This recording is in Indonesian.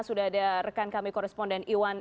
sudah ada rekan kami koresponden iwan